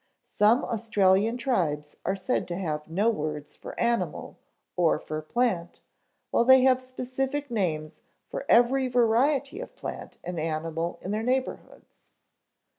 Some Australian tribes are said to have no words for animal or for plant, while they have specific names for every variety of plant and animal in their neighborhoods.